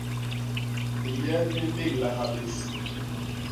Liyep li mbéñlaha bés.